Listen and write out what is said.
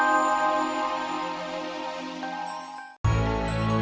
aku mau jadi anak asuhnya pak jamat dulu